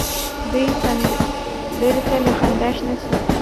دې سندره ته له خندا شنه شوه.